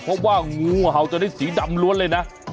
เพราะว่างูเห่าตัวนี้สีดำล้วนเลยนะ